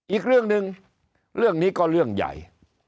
อีกเรื่องหนึ่งเรื่องนี้ก็เรื่องใหญ่